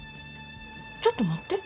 ちょっと待って。